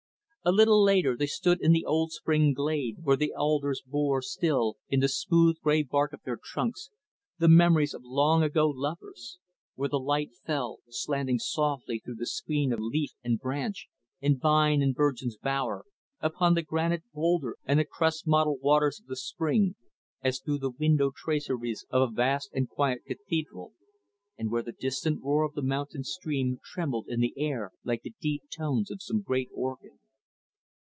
A little later they stood in the old spring glade, where the alders bore, still, in the smooth, gray bark of their trunks, the memories of long ago lovers; where the light fell, slanting softly through the screen of leaf and branch and vine and virgin's bower, upon the granite boulder and the cress mottled waters of the spring, as through the window traceries of a vast and quiet cathedral; and where the distant roar of the mountain stream trembled in the air like the deep tones of some great organ.